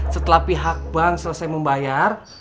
setelah pihak bank selesai membayar